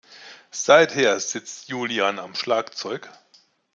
Seither sitzt Julian am Schlagzeug.